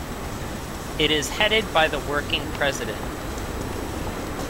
It is headed by the Working President.